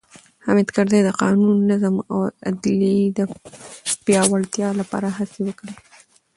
حامد کرزي د قانون، نظم او عدلیې د پیاوړتیا لپاره هڅې وکړې.